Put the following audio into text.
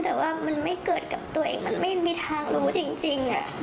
แต่ว่ามันไม่เกิดกับตัวเองมันไม่มีทางรู้จริง